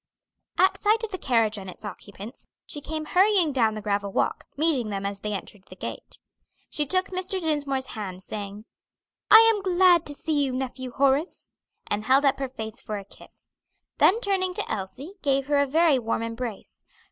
At sight of the carriage and its occupants, she came hurrying down the gravel walk, meeting them as they entered the gate. She took Mr. Dinsmore's hand, saying, "I am glad to see you, nephew Horace," and held up her face for a kiss. Then turning to Elsie, gave her a very warm embrace.